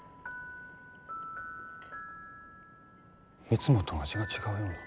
いつもとは味が違うような。